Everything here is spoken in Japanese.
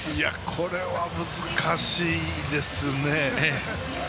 これは難しいですね。